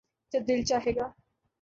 جب دل چاھے گا